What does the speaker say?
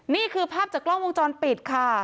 นี่คือภาพจากกล้องวงจรปิดค่ะ